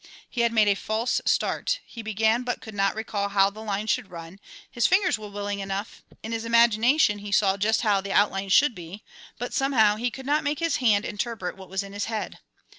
He had made a false start, he began but could not recall how the lines should run, his fingers were willing enough; in his imagination he saw just how the outlines should be, but somehow he could not make his hand interpret what was in his head.